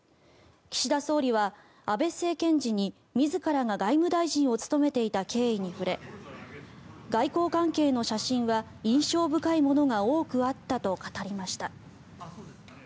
岸田総理は安倍政権時に自らが外務大臣を務めていた経緯に触れ外交関係の写真は印象深いものが多くあったと語りました。